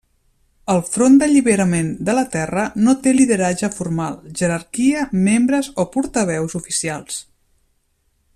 El Front d'Alliberament de la Terra no té lideratge formal, jerarquia, membres o portaveus oficials.